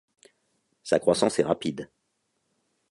Sa croissance est rapide.